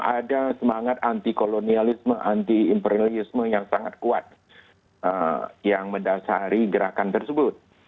ada semangat anti kolonialisme anti imperialisme yang sangat kuat yang mendasari gerakan tersebut